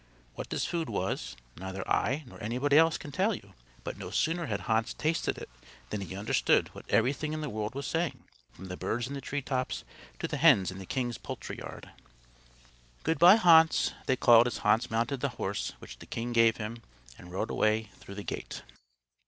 What this food was, neither I nor anybody else can tell you, but no sooner had Hans tasted it than he understood what everything in the world was saying, from the birds in the tree tops to the hens in the king's poultry yard. "Good bye, Hans," they called as Hans mounted the horse which the king gave him and rode away through the gate.